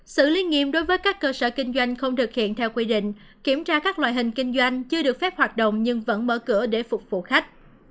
xử lý nghiêm đối với các cơ sở kinh doanh không thực hiện theo quy định kiểm tra các loại hình kinh doanh chưa được phép hoạt động nhưng vẫn mở cửa để phục vụ khách